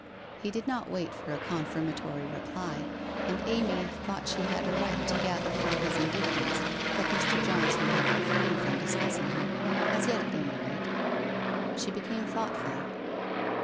He did not wait for a con firmatory reply, and Amy thought she had a right to gather from his indifference that Mr. Johnson had refrained from discussing her — as yet, at any rate. ... She became thoughtful.